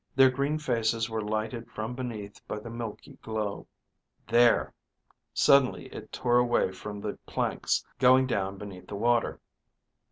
Their green faces were lighted from beneath by the milky glow. (There....) Suddenly it tore away from the planks, going down beneath the water.